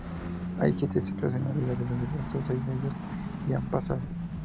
Hay siete ciclos en la vida del universo, seis de ellos ya han pasado.